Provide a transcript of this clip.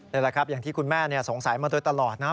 นี่แหละครับอย่างที่คุณแม่สงสัยมาโดยตลอดนะครับ